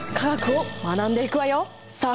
さあ